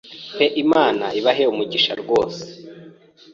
pe Imana ibahe umugisha rwose,